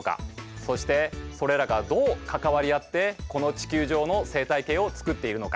そしてそれらがどう関わり合ってこの地球上の生態系を作っているのか。